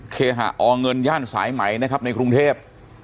เคหะอเงินย่านสายไหมนะครับในกรุงเทพ